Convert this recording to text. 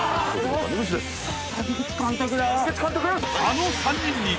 ［あの３人に］